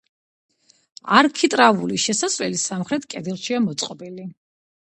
არქიტრავული შესასვლელი სამხრეთ კედელშია მოწყობილი.